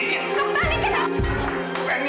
lepaskan handphoneku rizky